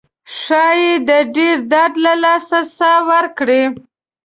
ښایي د ډیر درد له لاسه ساه ورکړي.